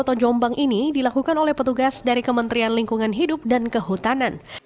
kota jombang ini dilakukan oleh petugas dari kementerian lingkungan hidup dan kehutanan